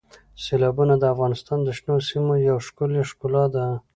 سیلابونه د افغانستان د شنو سیمو یوه ښکلې ښکلا ده.